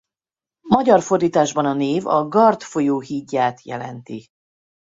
Magyar fordításban a név a Gard folyó hídját jelenti.